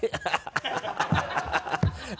ハハハ